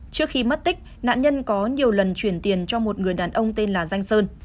trước khi mất tích nạn nhân có nhiều lần chuyển tiền cho một người đàn ông tên là danh sơn